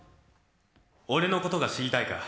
俺のことが知りたいか？